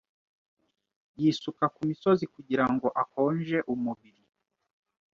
Yisuka kumisozi kugirango akonje umubiri